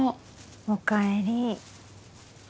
おかえり。